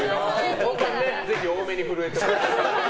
ぜひ多めに震えていただいて。